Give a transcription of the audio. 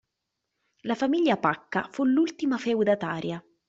La famiglia Pacca fu l'ultima feudataria.